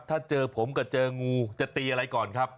ถ้าเจอผมกับเจองูจะตีอะไรก่อนครับ